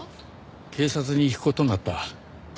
警察に行く事になった。